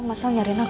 masal nyariin aku